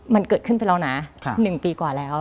มันเกิดขึ้นไปแล้วนะ๑ปีกว่าแล้ว